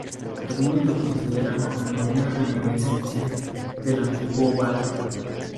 Algunos lo consideran como una reminiscencia del antiguo Baal.